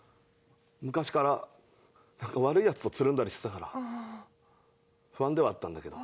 昔からなんか悪いヤツとつるんだりしてたから不安ではあったんだけど。